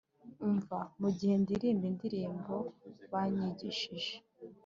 umva mugihe ndirimba indirimbo banyigishije